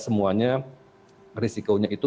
semuanya risikonya itu